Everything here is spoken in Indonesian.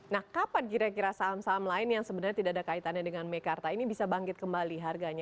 nah kapan kira kira saham saham lain yang sebenarnya tidak ada kaitannya dengan mekarta ini bisa bangkit kembali harganya